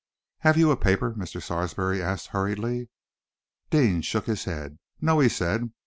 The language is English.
"Have you a paper?" Mr. Sarsby asked hurriedly. Deane shook his head. "No!" he said.